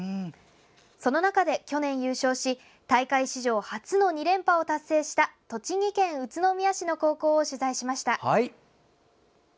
その中で去年優勝し大会史上初の２連覇を達成した栃木県宇都宮市の高校を取材しました。